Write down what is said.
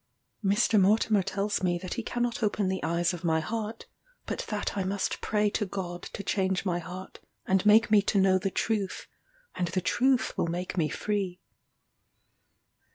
Mr. Mortimer tells me that he cannot open the eyes of my heart, but that I must pray to God to change my heart, and make me to know the truth, and the truth will make me free.